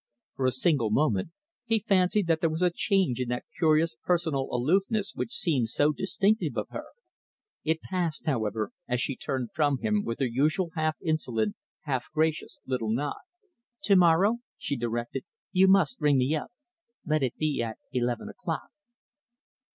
For a single moment he fancied that there was a change in that curious personal aloofness which seemed so distinctive of her. It passed, however, as she turned from him with her usual half insolent, half gracious little nod. "To morrow," she directed, "you must ring me up. Let it be at eleven o'clock."